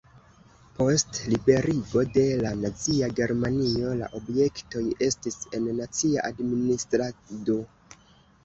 Post liberigo de la nazia Germanio la objektoj estis en nacia administrado.